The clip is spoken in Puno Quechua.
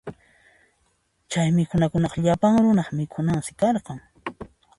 Chay mikhunakunaqa llapan runaq mikhunansi karqan.